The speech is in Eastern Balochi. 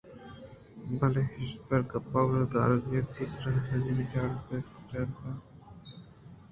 بلئے ہُژار ءُگپ گوش دارگ ءَ ہرچی ءِ سرا سرجمی ءَ چاڑکہ ءُزانت کاری چمےّ ایر کنگ ءَاِت اَنت